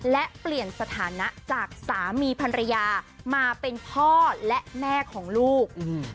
และเปลี่ยนสถานะจากสามีพันรยามาเป็นพ่อและแม่ของลูก